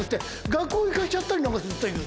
学校行かしちゃったりするという。